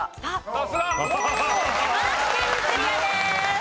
さすが！山梨県クリアです。